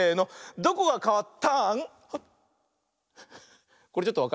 どこがかわった？